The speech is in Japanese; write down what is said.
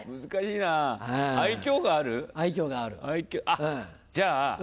あっじゃあ。